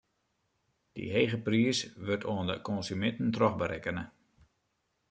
Dy hege priis wurdt oan de konsuminten trochberekkene.